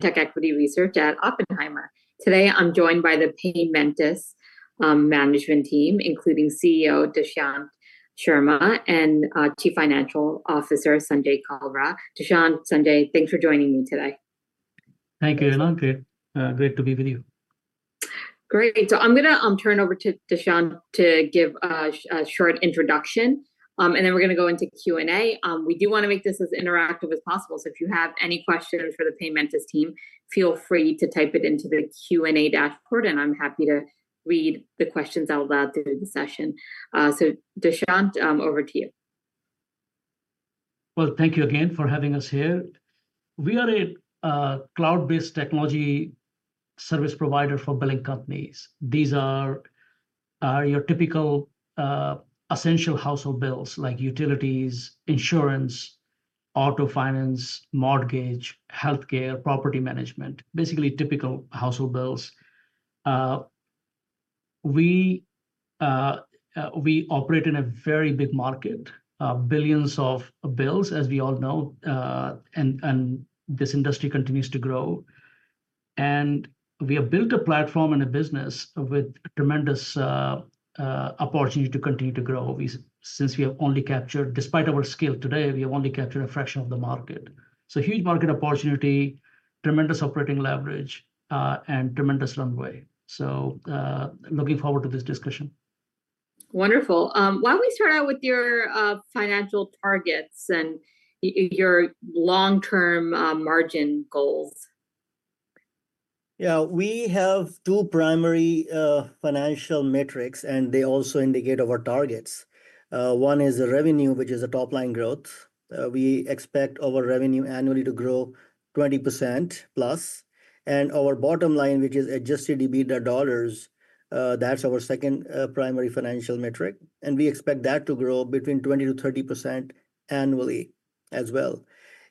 Tech Equity Research at Oppenheimer. Today, I'm joined by the Paymentus management team, including CEO Dushyant Sharma and Chief Financial Officer Sanjay Kalra. Dushyant, Sanjay, thanks for joining me today. Thank you, Rayna. Great, great to be with you. Great. So I'm gonna turn over to Dushyant to give a short introduction, and then we're gonna go into Q&A. We do wanna make this as interactive as possible, so if you have any questions for the Paymentus team, feel free to type it into the Q&A dashboard, and I'm happy to read the questions out loud during the session. So Dushyant, over to you. Well, thank you again for having us here. We are a cloud-based technology service provider for billing companies. These are your typical essential household bills, like utilities, insurance, auto finance, mortgage, healthcare, property management. Basically, typical household bills. We operate in a very big market, billions of bills, as we all know, and this industry continues to grow. We have built a platform and a business with tremendous opportunity to continue to grow. Since we have only captured... Despite our scale today, we have only captured a fraction of the market. So huge market opportunity, tremendous operating leverage, and tremendous runway. So, looking forward to this discussion. Wonderful. Why don't we start out with your financial targets and your long-term margin goals? Yeah. We have two primary financial metrics, and they also indicate our targets. One is the revenue, which is the top line growth. We expect our revenue annually to grow 20% plus, and our bottom line, which is Adjusted EBITDA dollars, that's our second primary financial metric, and we expect that to grow between 20%-30% annually as well.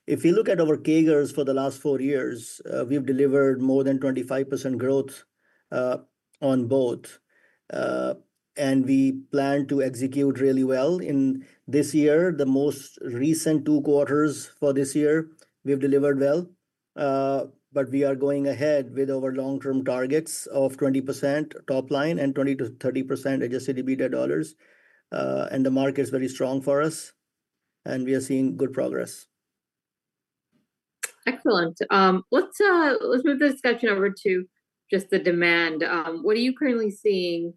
If you look at our CAGRs for the last 4 years, we've delivered more than 25% growth on both. And we plan to execute really well in this year. The most recent 2 quarters for this year, we have delivered well, but we are going ahead with our long-term targets of 20% top line and 20%-30% Adjusted EBITDA dollars. And the market is very strong for us, and we are seeing good progress. Excellent. Let's, let's move the discussion over to just the demand. What are you currently seeing...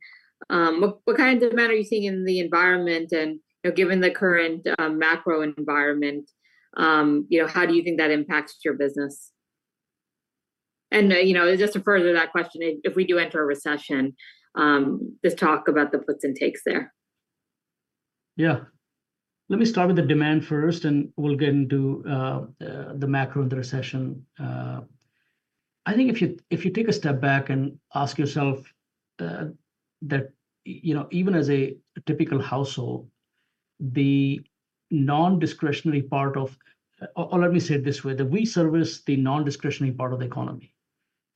What, what kind of demand are you seeing in the environment, and, you know, given the current, macro environment, you know, how do you think that impacts your business? And, you know, just to further that question, if, if we do enter a recession, just talk about the puts and takes there. Yeah. Let me start with the demand first, and we'll get into the macro of the recession. I think if you take a step back and ask yourself that you know, even as a typical household, the non-discretionary part of... Or let me say it this way, that we service the non-discretionary part of the economy.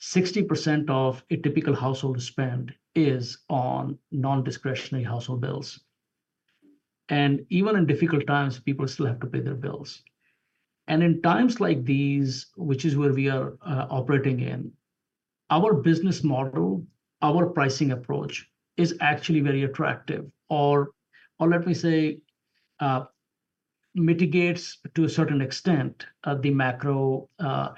60% of a typical household spend is on non-discretionary household bills, and even in difficult times, people still have to pay their bills. And in times like these, which is where we are operating in, our business model, our pricing approach is actually very attractive, or let me say, mitigates to a certain extent the macro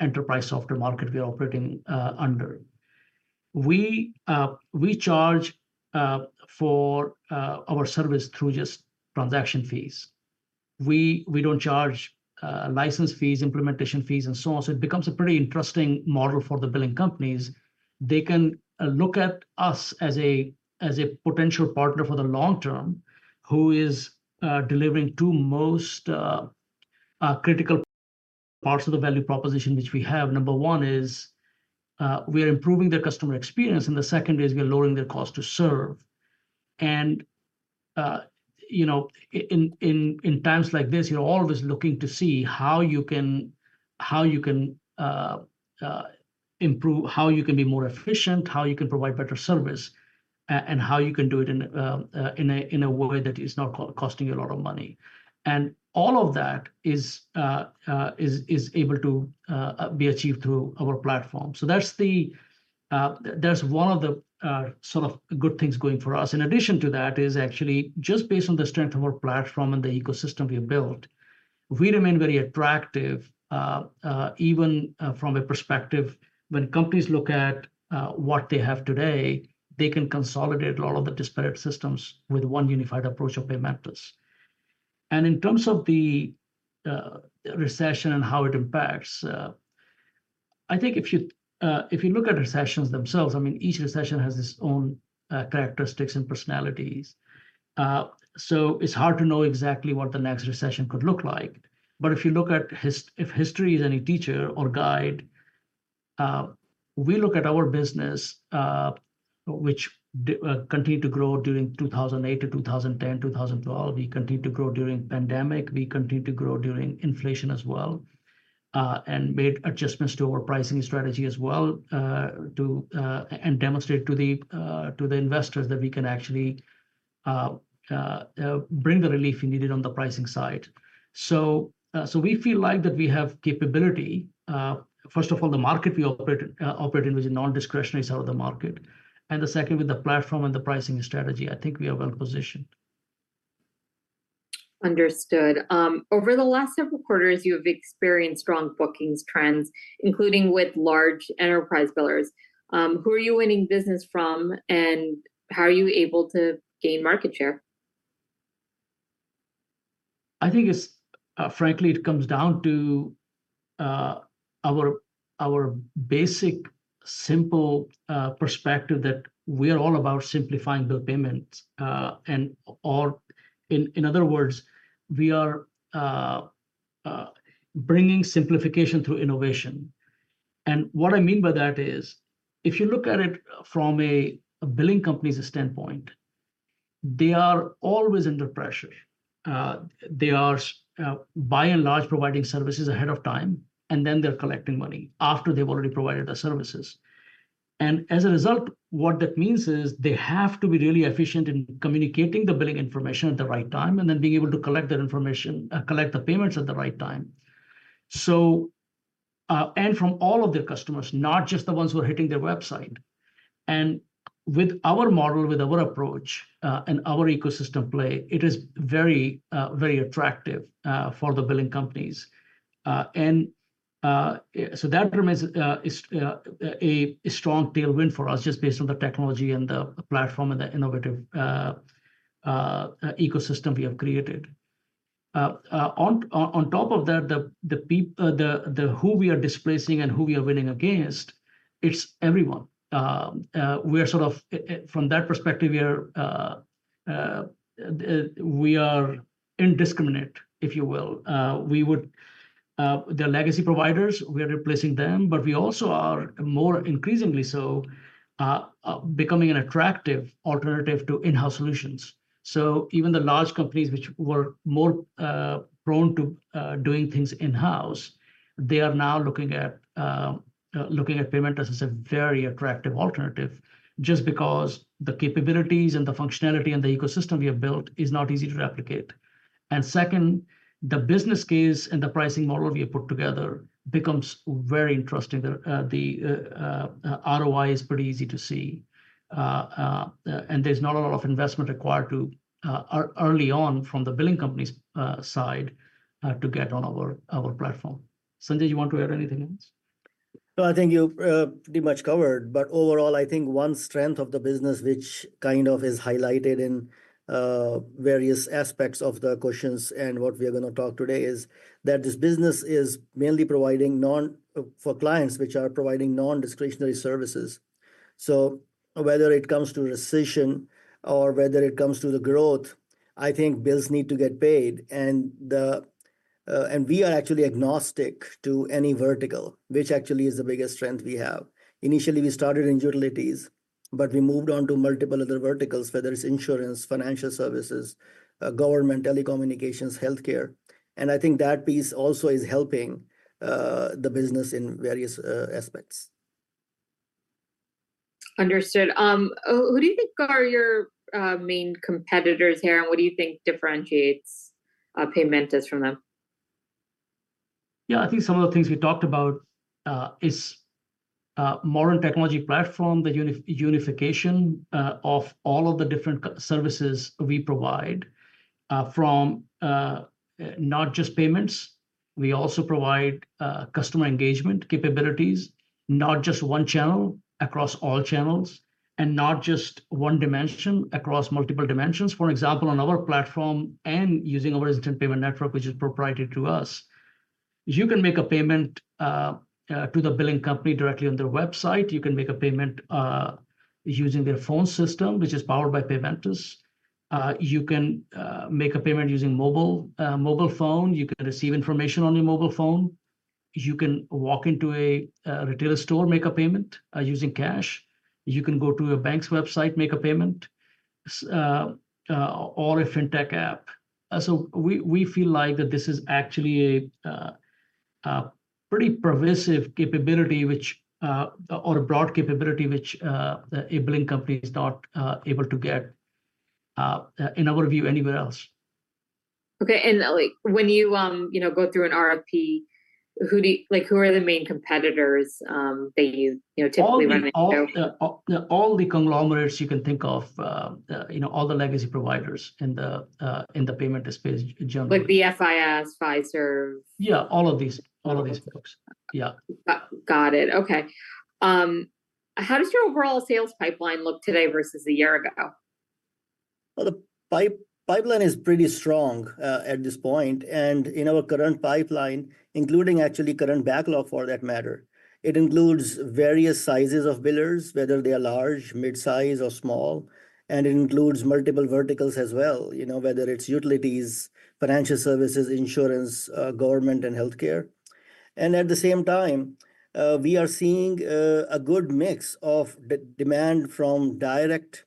enterprise software market we are operating under. We charge for our service through just transaction fees. We don't charge license fees, implementation fees, and so on. So it becomes a pretty interesting model for the billing companies. They can look at us as a potential partner for the long term, who is delivering two most critical parts of the value proposition, which we have. Number one is we are improving their customer experience, and the second is we are lowering their cost to serve. And you know, in times like this, you're always looking to see how you can improve, how you can be more efficient, how you can provide better service, and how you can do it in a way that is not costing you a lot of money. And all of that is able to be achieved through our platform. So that's one of the sort of good things going for us. In addition to that is actually just based on the strength of our platform and the ecosystem we have built, we remain very attractive, even from a perspective when companies look at what they have today, they can consolidate a lot of the disparate systems with one unified approach of Paymentus. And in terms of the recession and how it impacts, I think if you look at recessions themselves, I mean, each recession has its own characteristics and personalities. So it's hard to know exactly what the next recession could look like. But if history is any teacher or guide, we look at our business, which continued to grow during 2008 to 2010, 2012. We continued to grow during pandemic, we continued to grow during inflation as well, and made adjustments to our pricing strategy as well, to and demonstrate to the, to the investors that we can actually bring the relief we needed on the pricing side. So, so we feel like that we have capability. First of all, the market we operate in, which is non-discretionary side of the market, and the second with the platform and the pricing strategy, I think we are well-positioned. Understood. Over the last several quarters, you have experienced strong bookings trends, including with large enterprise billers. Who are you winning business from, and how are you able to gain market share? I think it's frankly it comes down to our basic simple perspective that we are all about simplifying bill payments. In other words, we are bringing simplification through innovation. And what I mean by that is, if you look at it from a billing company's standpoint, they are always under pressure. They are by and large providing services ahead of time, and then they're collecting money after they've already provided the services. And as a result, what that means is they have to be really efficient in communicating the billing information at the right time, and then being able to collect that information, collect the payments at the right time. So from all of their customers, not just the ones who are hitting their website. With our model, with our approach, and our ecosystem play, it is very, very attractive for the billing companies. So that remains a strong tailwind for us, just based on the technology and the platform and the innovative ecosystem we have created. On top of that, the people who we are displacing and who we are winning against, it's everyone. We are sort of... From that perspective, we are indiscriminate, if you will. The legacy providers, we are replacing them, but we also are more increasingly so becoming an attractive alternative to in-house solutions. So even the large companies, which were more prone to doing things in-house, they are now looking at Paymentus as a very attractive alternative, just because the capabilities and the functionality and the ecosystem we have built is not easy to replicate. And second, the business case and the pricing model we have put together becomes very interesting. The ROI is pretty easy to see. And there's not a lot of investment required to early on from the billing companies side to get on our platform. Sanjay, you want to add anything else? No, I think you pretty much covered. But overall, I think one strength of the business, which kind of is highlighted in various aspects of the questions and what we are gonna talk today, is that this business is mainly providing for clients, which are providing non-discretionary services. So whether it comes to recession or whether it comes to the growth, I think bills need to get paid. And we are actually agnostic to any vertical, which actually is the biggest strength we have. Initially, we started in utilities, but we moved on to multiple other verticals, whether it's insurance, financial services, government, telecommunications, healthcare, and I think that piece also is helping the business in various aspects. Understood. Who do you think are your main competitors here, and what do you think differentiates Paymentus from them? Yeah, I think some of the things we talked about is modern technology platform, the unification of all of the different services we provide, from not just payments. We also provide customer engagement capabilities, not just one channel, across all channels, and not just one dimension, across multiple dimensions. For example, on our platform and using our Instant Payment Network, which is proprietary to us, you can make a payment to the billing company directly on their website. You can make a payment using their phone system, which is powered by Paymentus. You can make a payment using mobile phone. You can receive information on your mobile phone. You can walk into a retail store, make a payment using cash. You can go to a bank's website, make a payment, or a fintech app. So we feel like that this is actually a pretty pervasive capability, or a broad capability, which a billing company is not able to get, in our view, anywhere else. Okay, and like, when you, you know, go through an RFP, who do, like, who are the main competitors, that you, you know, typically run into? All the conglomerates you can think of, you know, all the legacy providers in the payment space generally. Like the FIS, Fiserv? Yeah. All of these, all of these folks. Yeah. Got, got it. Okay. How does your overall sales pipeline look today versus a year ago? Well, the pipeline is pretty strong at this point, and in our current pipeline, including actually current backlog for that matter, it includes various sizes of billers, whether they are large, midsize, or small, and it includes multiple verticals as well, you know, whether it's utilities, financial services, insurance, government, and healthcare. And at the same time, we are seeing a good mix of demand from direct,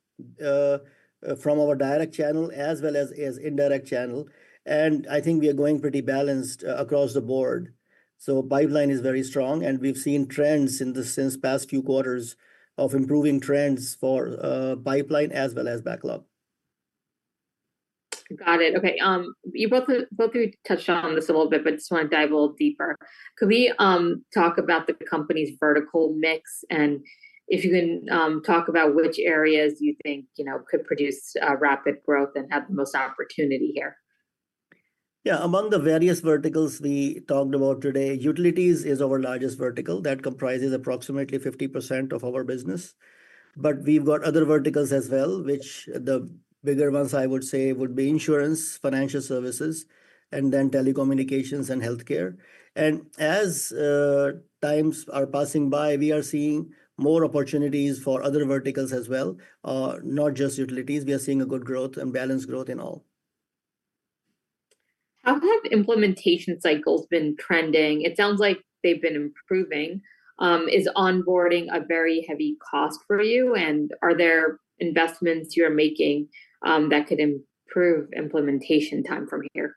from our direct channel as well as indirect channel, and I think we are going pretty balanced across the board. So pipeline is very strong, and we've seen trends in the since past few quarters of improving trends for pipeline as well as backlog.... Got it. Okay, you both, both of you touched on this a little bit, but just wanna dive a little deeper. Could we talk about the company's vertical mix, and if you can talk about which areas you think, you know, could produce rapid growth and have the most opportunity here? Yeah, among the various verticals we talked about today, utilities is our largest vertical. That comprises approximately 50% of our business. But we've got other verticals as well, which the bigger ones, I would say, would be insurance, financial services, and then telecommunications and healthcare. And as times are passing by, we are seeing more opportunities for other verticals as well, not just utilities. We are seeing a good growth and balanced growth in all. How have implementation cycles been trending? It sounds like they've been improving. Is onboarding a very heavy cost for you, and are there investments you're making that could improve implementation time from here?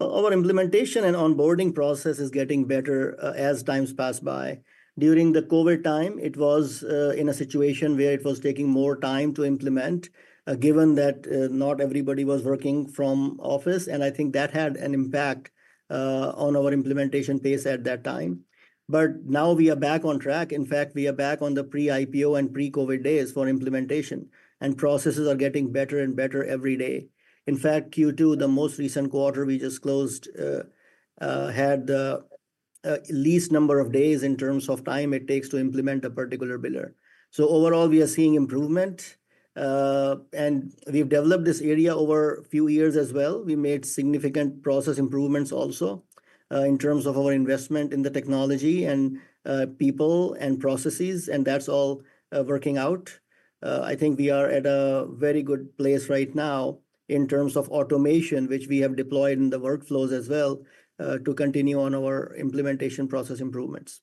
Our implementation and onboarding process is getting better, as times pass by. During the COVID time, it was in a situation where it was taking more time to implement, given that not everybody was working from office, and I think that had an impact on our implementation pace at that time. But now we are back on track. In fact, we are back on the pre-IPO and pre-COVID days for implementation, and processes are getting better and better every day. In fact, Q2, the most recent quarter we just closed, had the least number of days in terms of time it takes to implement a particular biller. So overall, we are seeing improvement. And we've developed this area over a few years as well. We made significant process improvements also, in terms of our investment in the technology and, people and processes, and that's all, working out. I think we are at a very good place right now in terms of automation, which we have deployed in the workflows as well, to continue on our implementation process improvements.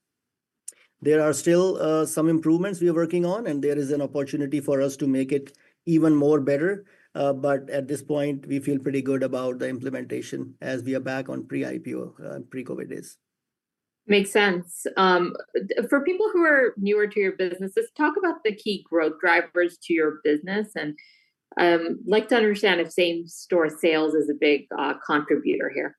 There are still, some improvements we are working on, and there is an opportunity for us to make it even more better, but at this point, we feel pretty good about the implementation as we are back on pre-IPO, pre-COVID days. Makes sense. For people who are newer to your business, just talk about the key growth drivers to your business, and I'd like to understand if same-store sales is a big contributor here.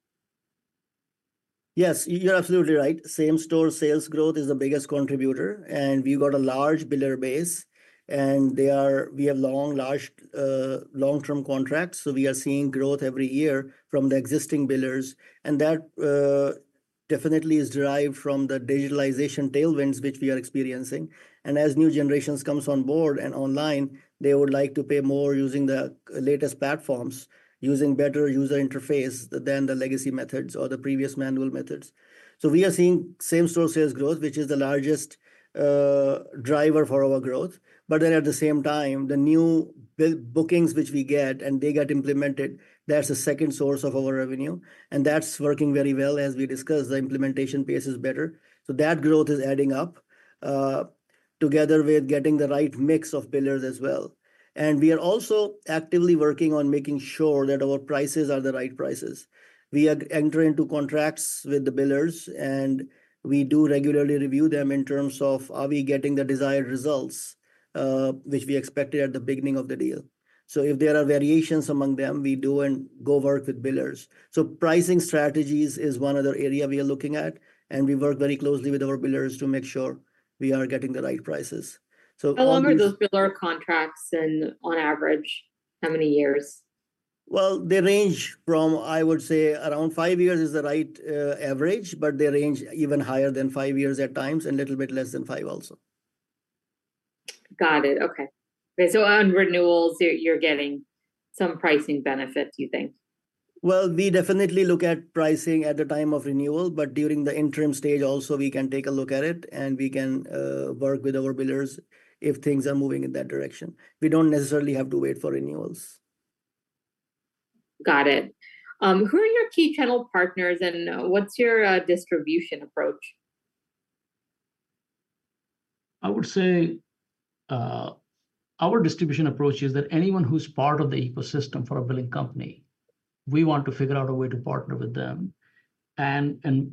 Yes, you're absolutely right. Same-store sales growth is the biggest contributor, and we've got a large biller base, and we have long-term contracts, so we are seeing growth every year from the existing billers. And that definitely is derived from the digitalization tailwinds, which we are experiencing. And as new generations comes on board and online, they would like to pay more using the latest platforms, using better user interface than the legacy methods or the previous manual methods. So we are seeing same-store sales growth, which is the largest driver for our growth. But then at the same time, the new biller bookings which we get, and they get implemented, that's the second source of our revenue, and that's working very well. As we discussed, the implementation pace is better. So that growth is adding up, together with getting the right mix of billers as well. And we are also actively working on making sure that our prices are the right prices. We are entering into contracts with the billers, and we do regularly review them in terms of are we getting the desired results, which we expected at the beginning of the deal. So if there are variations among them, we do and go work with billers. So pricing strategies is one other area we are looking at, and we work very closely with our billers to make sure we are getting the right prices. So- How long are those biller contracts, and on average, how many years? Well, they range from, I would say, around 5 years is the right average, but they range even higher than 5 years at times, and a little bit less than 5 also. Got it. Okay. So on renewals, you're getting some pricing benefit, you think? Well, we definitely look at pricing at the time of renewal, but during the interim stage also, we can take a look at it, and we can work with our billers if things are moving in that direction. We don't necessarily have to wait for renewals. Got it. Who are your key channel partners, and what's your distribution approach? I would say, our distribution approach is that anyone who's part of the ecosystem for a billing company, we want to figure out a way to partner with them, and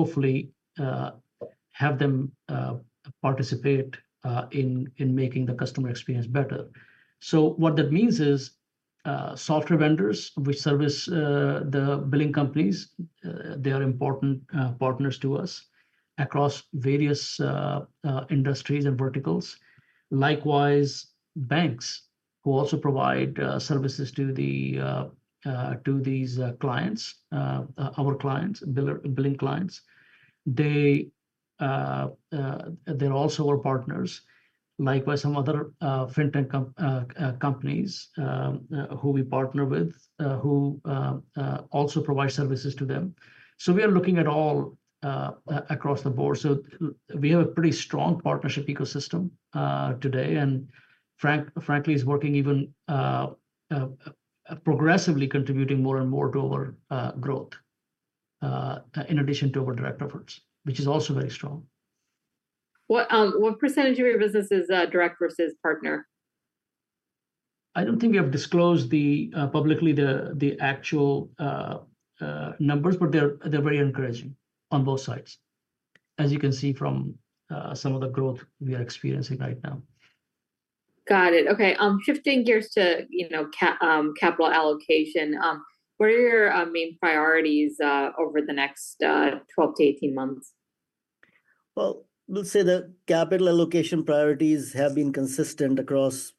hopefully have them participate in making the customer experience better. So what that means is, software vendors which service the billing companies, they are important partners to us across various industries and verticals. Likewise, banks, who also provide services to these clients, our clients, billing clients, they, they're also our partners. Likewise, some other fintech companies who we partner with, who also provide services to them. So we are looking at all across the board. So we have a pretty strong partnership ecosystem today, and frankly, it's working even progressively contributing more and more to our growth, in addition to our direct efforts, which is also very strong. What, what percentage of your business is direct versus partner? I don't think we have disclosed publicly the actual numbers, but they're very encouraging on both sides, as you can see from some of the growth we are experiencing right now. Got it. Okay, shifting gears to, you know, capital allocation. What are your main priorities over the next 12-18 months? Well, let's say the capital allocation priorities have been consistent across,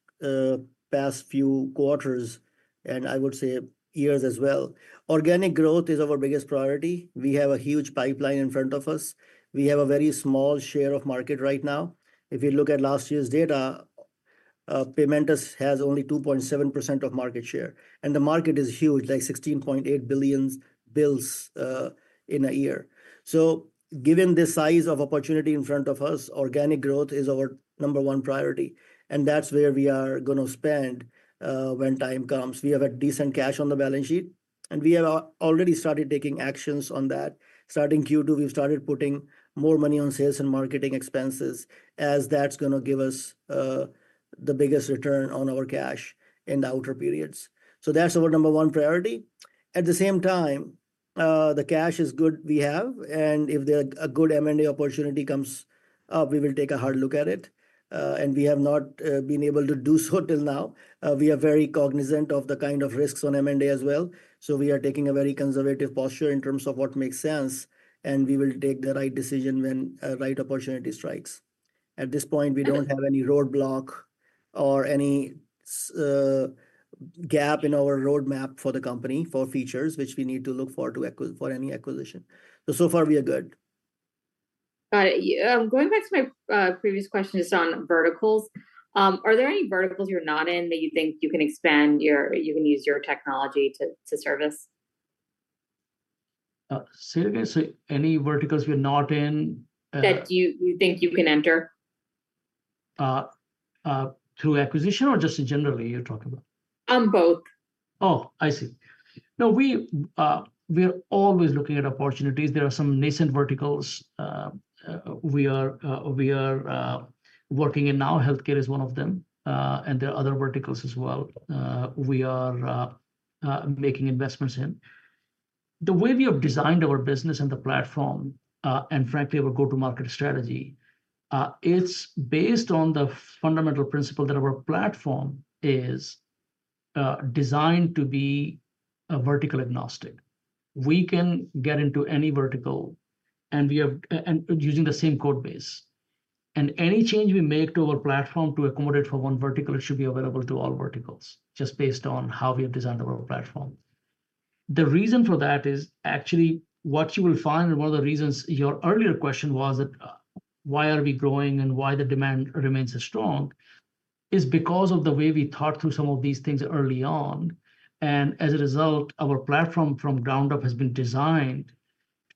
past few quarters, and I would say years as well. Organic growth is our biggest priority. We have a huge pipeline in front of us. We have a very small share of market right now. If you look at last year's data, Paymentus has only 2.7% of market share, and the market is huge, like 16.8 billion bills, in a year. So given the size of opportunity in front of us, organic growth is our number one priority, and that's where we are gonna spend, when time comes. We have a decent cash on the balance sheet, and we have already started taking actions on that. Starting Q2, we've started putting more money on sales and marketing expenses, as that's gonna give us the biggest return on our cash in the outer periods. So that's our number one priority. At the same time, the cash is good we have, and if there a good M&A opportunity comes up, we will take a hard look at it. And we have not been able to do so till now. We are very cognizant of the kind of risks on M&A as well, so we are taking a very conservative posture in terms of what makes sense, and we will take the right decision when a right opportunity strikes. At this point, we don't have any roadblock or any gap in our roadmap for the company for features which we need to look for for any acquisition. So far, we are good. Got it. Going back to my previous question just on verticals. Are there any verticals you're not in that you think you can use your technology to service? Say it again. So any verticals we're not in, Thank you, you think you can enter? Through acquisition or just generally you're talking about? Um, both. Oh, I see. No, we, we're always looking at opportunities. There are some nascent verticals we are working in now. Healthcare is one of them, and there are other verticals as well, we are making investments in. The way we have designed our business and the platform, and frankly, our go-to-market strategy, it's based on the fundamental principle that our platform is designed to be vertical agnostic. We can get into any vertical, and using the same code base. And any change we make to our platform to accommodate for one vertical, it should be available to all verticals, just based on how we have designed our overall platform. The reason for that is actually what you will find, and one of the reasons your earlier question was that, why are we growing and why the demand remains so strong, is because of the way we thought through some of these things early on. And as a result, our platform from ground up has been designed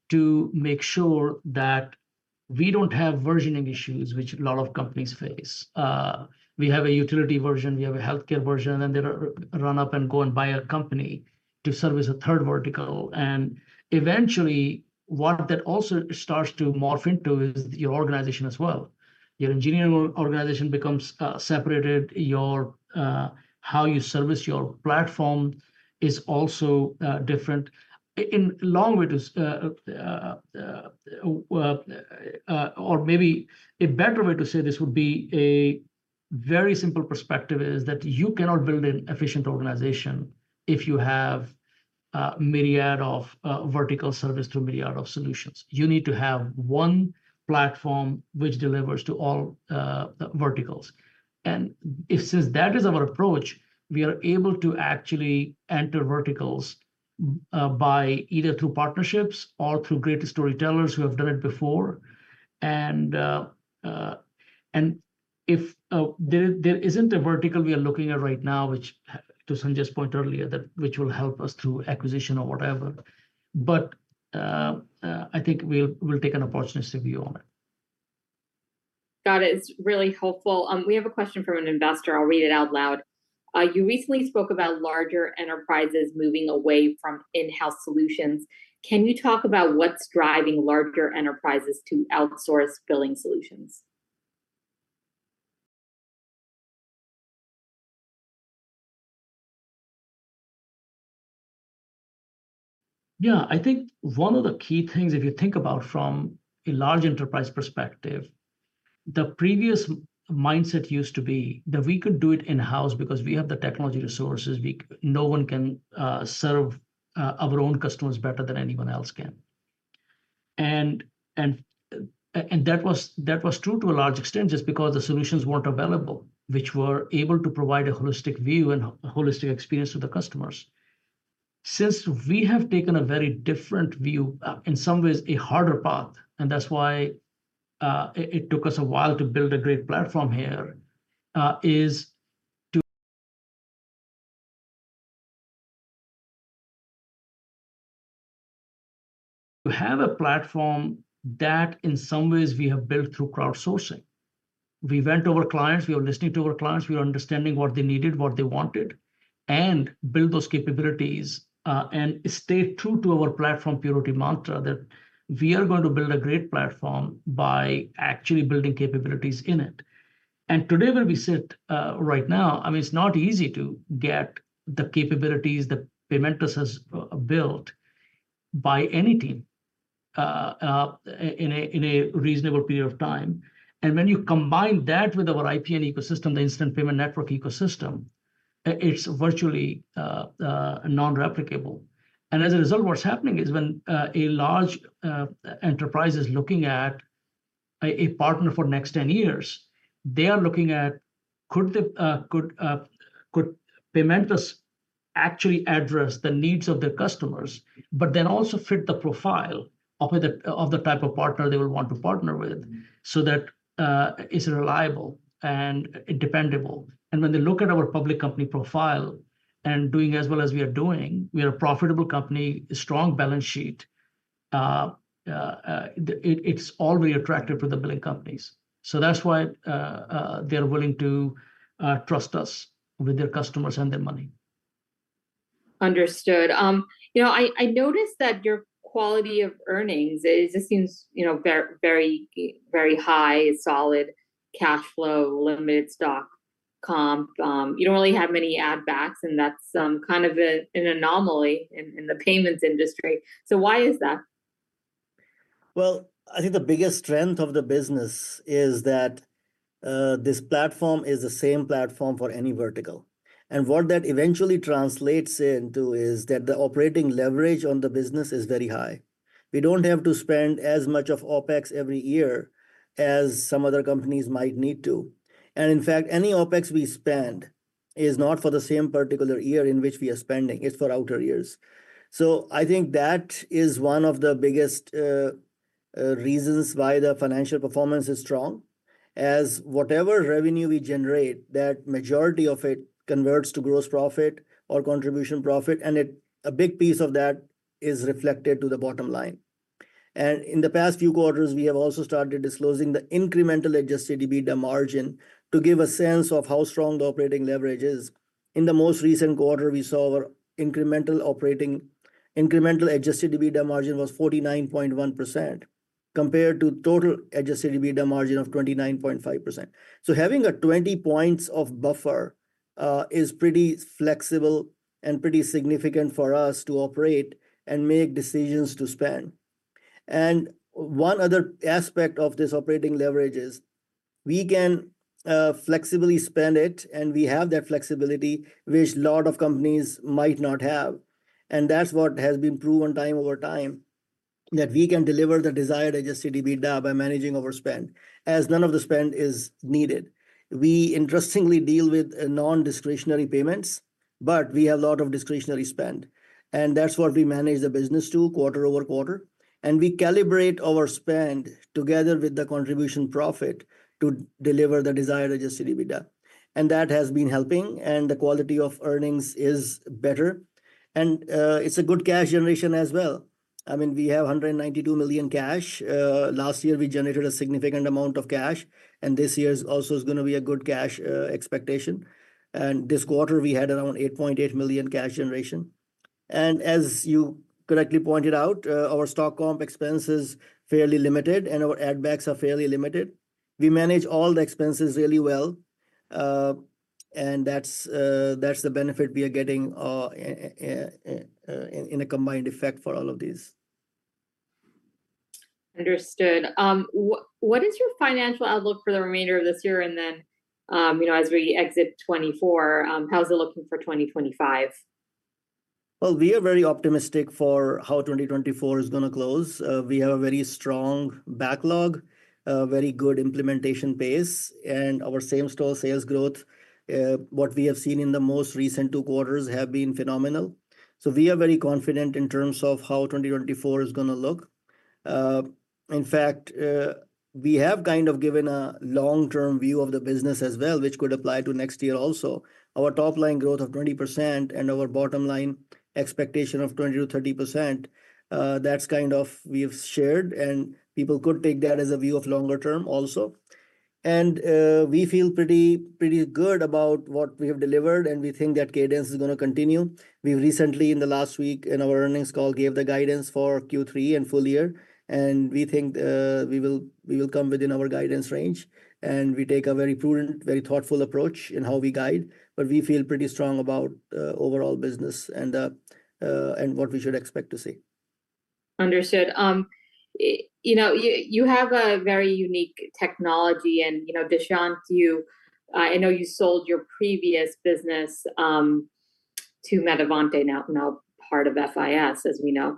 to make sure that we don't have versioning issues, which a lot of companies face. We have a utility version, we have a healthcare version, and then run up and go and buy a company to service a third vertical. And eventually, what that also starts to morph into is your organization as well. Your engineering organization becomes separated, your, how you service your platform is also different. Or maybe a better way to say this would be a very simple perspective, is that you cannot build an efficient organization if you have a myriad of vertical service to a myriad of solutions. You need to have one platform which delivers to all the verticals. And since that is our approach, we are able to actually enter verticals by either through partnerships or through great storytellers who have done it before. There isn't a vertical we are looking at right now, which to Sanjay's point earlier, that which will help us through acquisition or whatever, but I think we'll take an opportunistic view on it. Got it. It's really helpful. We have a question from an investor. I'll read it out loud. You recently spoke about larger enterprises moving away from in-house solutions. Can you talk about what's driving larger enterprises to outsource billing solutions? Yeah. I think one of the key things, if you think about from a large enterprise perspective, the previous mindset used to be that we could do it in-house because we have the technology resources. No one can serve our own customers better than anyone else can. And that was true to a large extent just because the solutions weren't available, which were able to provide a holistic view and a holistic experience to the customers. Since we have taken a very different view, in some ways a harder path, and that's why it took us a while to build a great platform here, is to... We have a platform that in some ways we have built through crowdsourcing. We went to our clients, we are listening to our clients, we are understanding what they needed, what they wanted, and build those capabilities, and stay true to our platform purity mantra, that we are going to build a great platform by actually building capabilities in it... and today where we sit, right now, I mean, it's not easy to get the capabilities that Paymentus has built by any team, in a reasonable period of time. And when you combine that with our IP and ecosystem, the Instant Payment Network ecosystem, it's virtually non-replicable. And as a result, what's happening is when a large enterprise is looking at a partner for next ten years, they are looking at could Paymentus actually address the needs of their customers but then also fit the profile of the type of partner they would want to partner with. Mm... so that, is reliable and dependable? And when they look at our public company profile and doing as well as we are doing, we are a profitable company, a strong balance sheet. It's all very attractive for the billing companies. So that's why, they're willing to trust us with their customers and their money. Understood. You know, I noticed that your quality of earnings is, it seems, you know, very, very, very high, solid cash flow, limited stock comp. You don't really have many add backs, and that's kind of an anomaly in the payments industry. So why is that? Well, I think the biggest strength of the business is that this platform is the same platform for any vertical. And what that eventually translates into is that the operating leverage on the business is very high. We don't have to spend as much of OpEx every year as some other companies might need to. And in fact, any OpEx we spend is not for the same particular year in which we are spending. It's for outer years. So I think that is one of the biggest reasons why the financial performance is strong, as whatever revenue we generate, that majority of it converts to gross profit or contribution profit, and a big piece of that is reflected to the bottom line. And in the past few quarters, we have also started disclosing the incremental Adjusted EBITDA margin to give a sense of how strong the operating leverage is. In the most recent quarter, we saw our incremental Adjusted EBITDA margin was 49.1%, compared to total Adjusted EBITDA margin of 29.5%. So having a 20 points of buffer is pretty flexible and pretty significant for us to operate and make decisions to spend. And one other aspect of this operating leverage is we can flexibly spend it, and we have that flexibility, which a lot of companies might not have. And that's what has been proven time over time, that we can deliver the desired Adjusted EBITDA by managing our spend, as none of the spend is needed. We interestingly deal with non-discretionary payments, but we have a lot of discretionary spend, and that's what we manage the business to quarter-over-quarter. We calibrate our spend together with the Contribution Profit to deliver the desired Adjusted EBITDA, and that has been helping, and the quality of earnings is better. It's a good cash generation as well. I mean, we have $192 million cash. Last year, we generated a significant amount of cash, and this year also is gonna be a good cash expectation. This quarter, we had around $8.8 million cash generation. As you correctly pointed out, our stock comp expense is fairly limited, and our add backs are fairly limited. We manage all the expenses really well, and that's, that's the benefit we are getting, in a combined effect for all of these. Understood. What is your financial outlook for the remainder of this year, and then, you know, as we exit 2024, how's it looking for 2025? Well, we are very optimistic for how 2024 is gonna close. We have a very strong backlog, a very good implementation base, and our same-store sales growth, what we have seen in the most recent two quarters, have been phenomenal. So we are very confident in terms of how 2024 is gonna look. In fact, we have kind of given a long-term view of the business as well, which could apply to next year also. Our top line growth of 20% and our bottom-line expectation of 20%-30%, that's kind of we have shared, and people could take that as a view of longer term also. And, we feel pretty, pretty good about what we have delivered, and we think that cadence is gonna continue. We've recently, in the last week, in our earnings call, gave the guidance for Q3 and full year, and we think, we will come within our guidance range. We take a very prudent, very thoughtful approach in how we guide, but we feel pretty strong about, overall business and, and what we should expect to see. Understood. You know, you have a very unique technology, and, you know, Dushyant, you... I know you sold your previous business, to Metavante, now, now part of FIS, as we know.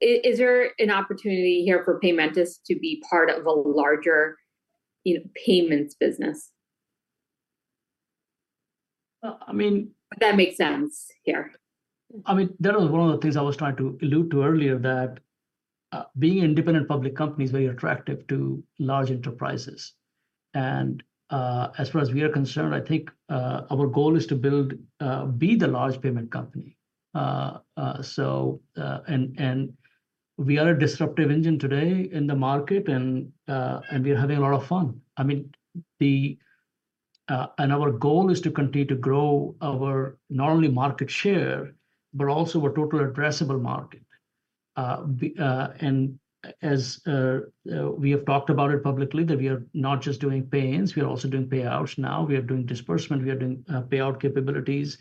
Is there an opportunity here for Paymentus to be part of a larger, you know, payments business? Well, I mean- That makes sense here. I mean, that was one of the things I was trying to allude to earlier, that being independent public company is very attractive to large enterprises. As far as we are concerned, I think our goal is to build be the large payment company. So we are a disruptive engine today in the market, and we are having a lot of fun. I mean, and our goal is to continue to grow our not only market share, but also our total addressable market. And as we have talked about it publicly, that we are not just doing payments, we are also doing payouts now. We are doing disbursement, we are doing payout capabilities,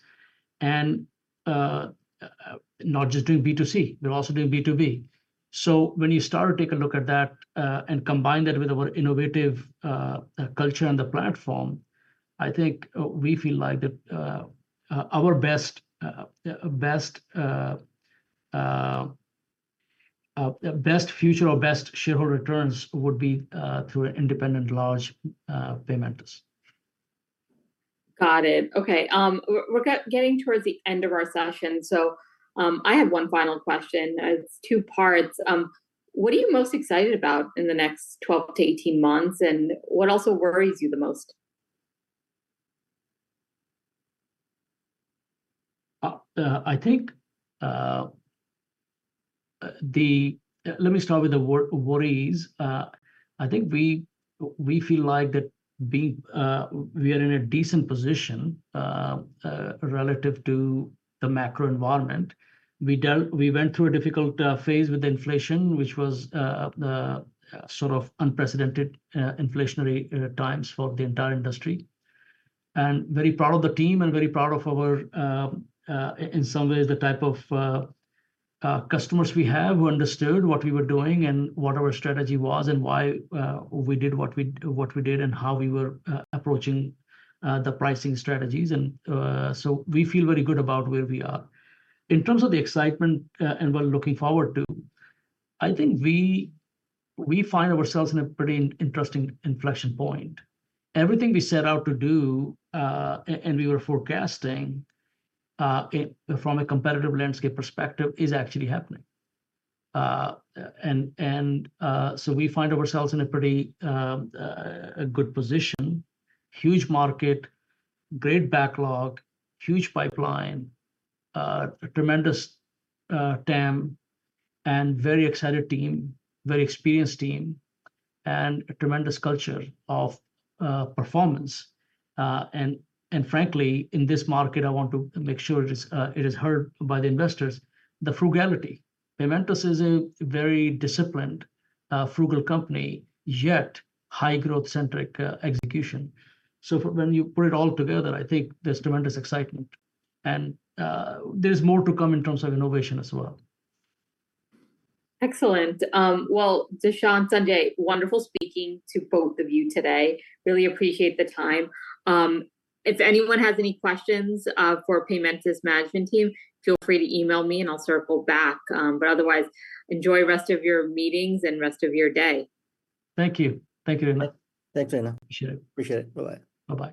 and not just doing B2C, we're also doing B2B. So when you start to take a look at that, and combine that with our innovative culture and the platform, I think we feel like that our best future or best shareholder returns would be through an independent, large Paymentus. Got it. Okay, we're getting towards the end of our session, so I have one final question. It's two parts. What are you most excited about in the next 12 to 18 months, and what also worries you the most? I think the... let me start with the worries. I think we, we feel like that we, we are in a decent position relative to the macro environment. We went through a difficult phase with inflation, which was sort of unprecedented inflationary times for the entire industry. And very proud of the team and very proud of our, in some ways, the type of customers we have, who understood what we were doing and what our strategy was, and why we did what we, what we did, and how we were approaching the pricing strategies. And, so we feel very good about where we are. In terms of the excitement, and we're looking forward to, I think we find ourselves in a pretty interesting inflection point. Everything we set out to do, and we were forecasting, it, from a competitive landscape perspective, is actually happening. So we find ourselves in a pretty good position. Huge market, great backlog, huge pipeline, a tremendous TAM, and very excited team, very experienced team, and a tremendous culture of performance. Frankly, in this market, I want to make sure it is heard by the investors, the frugality. Paymentus is a very disciplined, frugal company, yet high growth-centric execution. So when you put it all together, I think there's tremendous excitement, and there's more to come in terms of innovation as well. Excellent. Well, Dushyant, Sanjay, wonderful speaking to both of you today. Really appreciate the time. If anyone has any questions for Paymentus' management team, feel free to email me and I'll circle back. But otherwise, enjoy rest of your meetings and rest of your day. Thank you. Thank you very much. Thanks, Rayna. Appreciate it. Appreciate it. Bye-bye. Bye-bye.